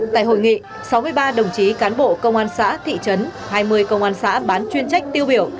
tại hội nghị sáu mươi ba đồng chí cán bộ công an xã thị trấn hai mươi công an xã bán chuyên trách tiêu biểu